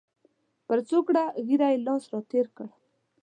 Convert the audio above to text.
پر څوکړه ږیره یې لاس را تېر کړ.